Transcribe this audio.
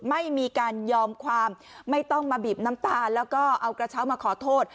ไม่มีการยอมความไม่ต้องมาบีบน้ำตาลแล้วก็เอากระเช้ามาขอโทษ